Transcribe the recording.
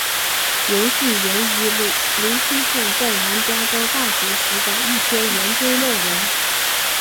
游戏源于陈星汉在南加州大学时期的一篇研究论文。